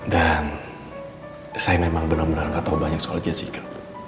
dan saya memang benar benar gak tau banyak soal jessica